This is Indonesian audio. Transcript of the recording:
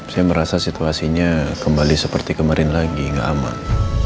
saya merasa situasinya kembali seperti kemarin lagi nggak aman